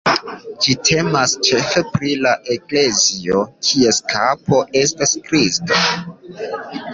Ĝi temas ĉefe pri la eklezio, kies kapo estas Kristo.